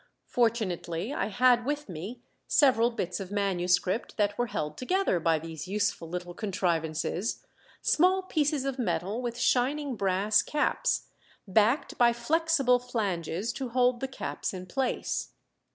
Fortunately I had with me several bits of manuscript that were held together by these useful little contrivances small pieces of metal with shining brass caps, backed by flexible flanges to hold the caps in place.